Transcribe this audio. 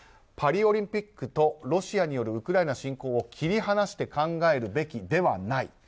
パリオリンピックとロシアによるウクライナ侵攻を切り離して考えるべきではない。